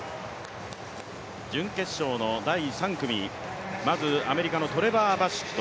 準決勝の第３組、まずアメリカのトレバー・バシット。